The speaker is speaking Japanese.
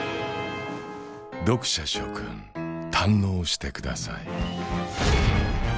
読者諸君堪能してください